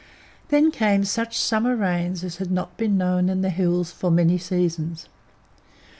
Then came such summer rains as had not been known in the Hills for many seasons.